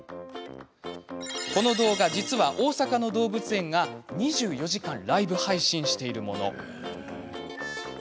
この動画、実は大阪の動物園が２４時間ライブ配信しているもの。